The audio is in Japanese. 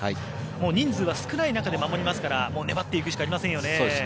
人数が少ない中で守りますから粘っていくしかありませんよね。